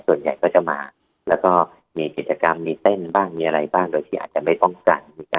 ส่วนใหญ่ก็จะมาแล้วก็มีกิจกรรมมีเต้นบ้างมีอะไรบ้างโดยที่อาจจะไม่ต้องกัน